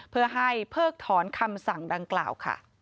เพื่อให้เพิกถอนคำสั่งดังกล่าวค่ะ